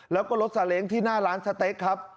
แล้วก็รถสาเล้งที่หน้าร้านสเต๊กครับ